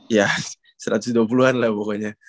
ya satu ratus dua puluh an lah pokoknya